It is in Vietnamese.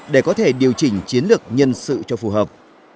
để có thể điều chỉnh chiến lược nhân sự cho phù hợp